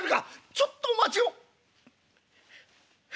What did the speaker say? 「ちょっとお待ちを」。